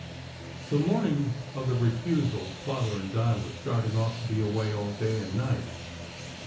The morning of the refusal, Father and Di were starting off to be away all that day and night.